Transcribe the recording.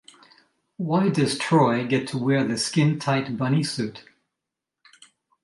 Why does Troi get to wear the skin-tight bunny suit?